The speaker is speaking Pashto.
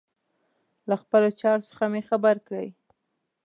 له خپلو چارو څخه مي خبر کړئ.